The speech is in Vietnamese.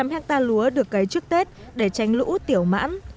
hai trăm linh hecta lúa được cấy trước tết để tránh lũ tiểu mãn